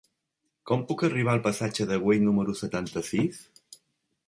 Com puc arribar al passatge de Güell número setanta-sis?